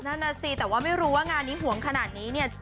นั่นน่ะสิแต่ว่าไม่รู้ว่างานนี้หวงขนาดนี้เนี่ย